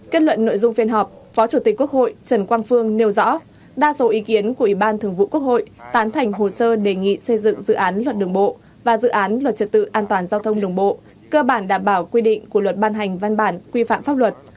kết luận nội dung phiên họp phó chủ tịch quốc hội trần quang phương nêu rõ đa số ý kiến của ủy ban thường vụ quốc hội tán thành hồ sơ đề nghị xây dựng dự án luật đường bộ và dự án luật trật tự an toàn giao thông đường bộ cơ bản đảm bảo quy định của luật ban hành văn bản quy phạm pháp luật